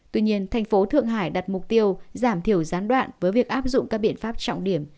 tuy nhiên thành phố thượng hải đặt mục tiêu giảm thiểu gián đoạn với việc áp dụng các biện pháp trọng điểm